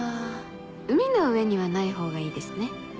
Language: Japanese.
海の上にはないほうがいいですね。